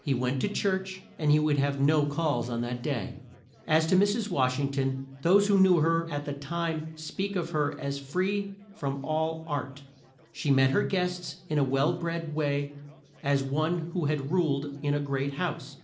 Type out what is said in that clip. He went to church and would have no calls on that day. As to Mrs. Wash ing ton, those who knew her at the time speak of her as free from all art. She met her guests in a well bred way as one who had ruled in a great house.